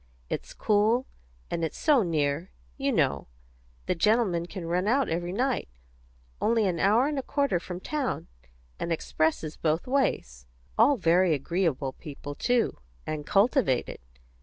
It's cool; and it's so near, you know; the gentlemen can run out every night only an hour and a quarter from town, and expresses both ways. All very agreeable people, too; and cultivated.